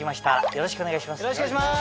よろしくお願いします。